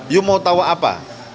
you mau tau apa